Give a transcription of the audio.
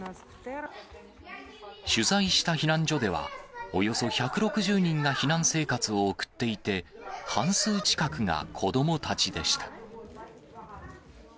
取材した避難所では、およそ１６０人が避難生活を送っていて、半数近くが子どもたちでした。